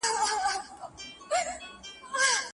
واوره چې وورېده پاڼه یې درنه کړه.